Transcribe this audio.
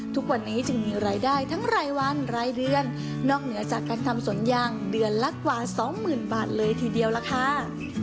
ทุกวันนี้จึงมีรายได้ทั้งรายวันรายเดือนนอกเหนือจากการทำสวนยางเดือนละกว่าสองหมื่นบาทเลยทีเดียวล่ะค่ะ